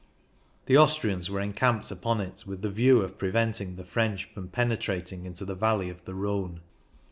The Austrians were encamped upon it with the view of preventing the French from pene trating into the valley of the Rhone.